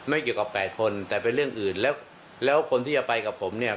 เกี่ยวกับ๘คนแต่เป็นเรื่องอื่นแล้วแล้วคนที่จะไปกับผมเนี่ย